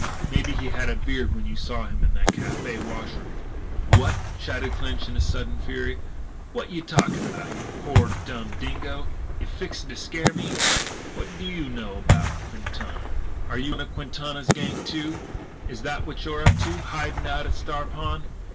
Maybe he had a beard when you saw him in that café wash room " "What!" shouted Clinch in sudden fury. "What yeh talkin' about, you poor dumb dingo! Yeh fixin' to scare me? What do you know about Quintana? Are you one of Quintana's gang, too? Is that what you're up to, hidin' out at Star Pond.